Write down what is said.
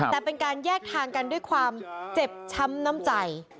แต่เป็นการแยกทางกันด้วยความเจ็บช้ำน้ำใจ